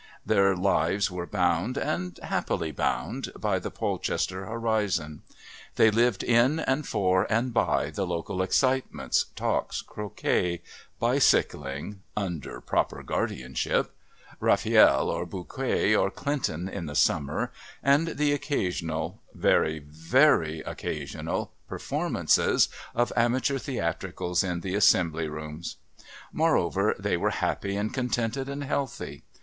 Their lives were bound, and happily bound, by the Polchester horizon. They lived in and for and by the local excitements, talks, croquet, bicycling (under proper guardianship), Rafiel or Buquay or Clinton in the summer, and the occasional (very, very occasional) performances of amateur theatricals in the Assembly Rooms. Moreover, they were happy and contented and healthy.